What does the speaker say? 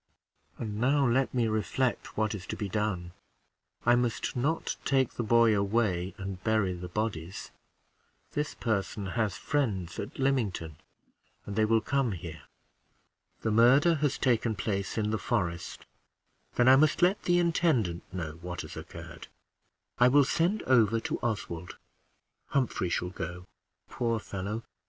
And now let me reflect what is to be done. I must not take the boy away, and bury the bodies; this person has friends at Lymington, and they will come here. The murder has taken place in the forest: then I must let the intendant know what has occurred. I will send over to Oswald; Humphrey shall go. Poor fellow!